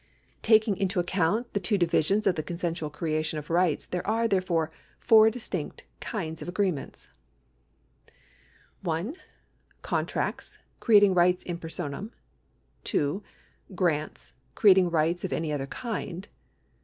Taking into account the two divisions of the consensual creation of rights, there are, therefore, four distinct kinds of agreements :—§ 123] TITLES 309 1 . Contracts — creating rights in personam. 2. Grants — creating rights of any other kind.